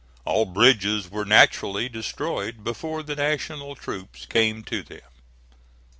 All bridges were naturally destroyed before the National troops came to them.